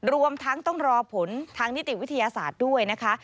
รวมทั้งต้องรอผลทางนิติวิทยาศาสตร์ด้วยนะคะ